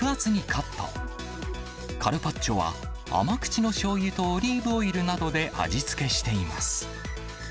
カルパッチョは甘口のしょうゆとオリーブオイルなどで味付けしています。